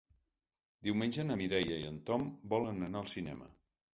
Diumenge na Mireia i en Tom volen anar al cinema.